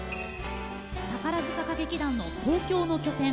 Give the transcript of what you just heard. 宝塚歌劇団の東京の拠点